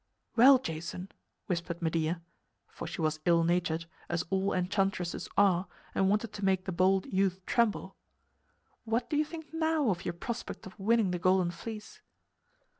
"Well, Jason," whispered Medea (for she was ill natured, as all enchantresses are, and wanted to make the bold youth tremble), "what do you think now of your prospect of winning the Golden Fleece?"